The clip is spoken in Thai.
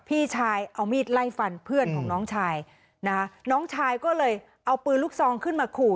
พี่ชายเอามีดไล่ฟันเพื่อนของน้องชายนะคะน้องชายก็เลยเอาปืนลูกซองขึ้นมาขู่